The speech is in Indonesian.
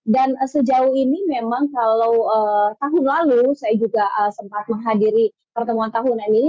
dan sejauh ini memang kalau tahun lalu saya juga sempat menghadiri pertemuan tahunan ini